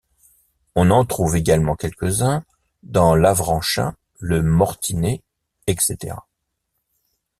On en trouve également quelques-uns dans l'Avranchin, le Mortinais, etc.